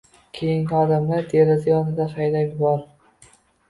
Keyin odamlarni deraza yonidan haydab yubor.